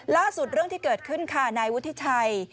ล่าสุดเรื่องที่เกิดขึ้นในวุฒิไทย